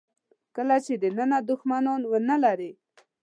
کله چې دننه دوښمنان ونه لرئ.